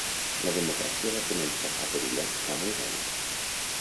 La democràcia va començar a perillar fa molts anys.